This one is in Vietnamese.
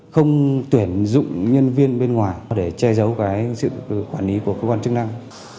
không tuyển dụng nhân viên bên ngoài để che giấu sự quản lý của cơ quan chức năng